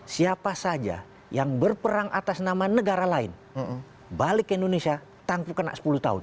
siapa saja yang berperang atas nama negara lain balik ke indonesia tangku kena sepuluh tahun